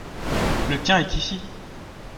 Le tien est ici.